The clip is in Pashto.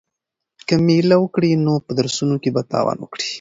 که مېله وکړې نو په درسونو کې به تاوان وکړې.